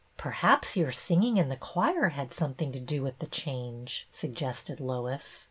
" Perhaps jmur singing in the choir had something to do with the change," suggested Lois.